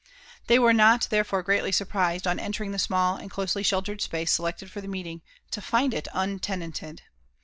They were not therefore greatly surprised, on entering the sn^all and closely sheltered space selected for the meeting, to find it un * tenanted.